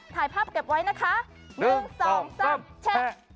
ถ่ายภาพเก็บไว้นะคะ๑๒๓แชะ